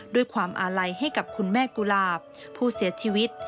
ด้วยความอาลัยให้กับคุณแม่กุหลาบผู้เสียชีวิต